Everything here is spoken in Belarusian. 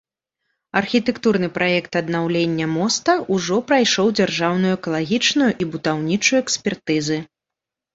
Архітэктурны праект аднаўлення моста ўжо прайшоў дзяржаўную экалагічную і будаўнічую экспертызы.